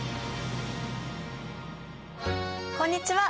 こんにちは。